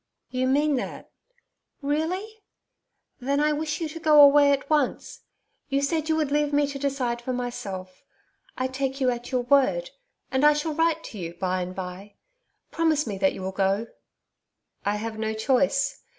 'You mean that really? Then I wish you to go away at once. You said you would leave me to decide for myself. I take you at your word, and I shall write to you, by and by. Promise me that you will go.' 'I have no choice.